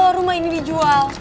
kok bisa sih ibu